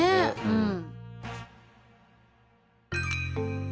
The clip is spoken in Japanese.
うん。